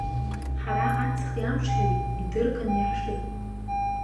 Ҳара аҵхи амши идырганы иаҳшеит.